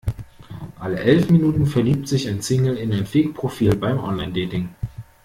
Alle elf Minuten verliebt sich ein Single in ein Fake-Profil beim Online-Dating.